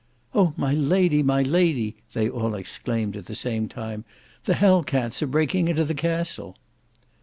"O! my lady, my lady," they all exclaimed at the same time, "the Hell cats are breaking into the castle."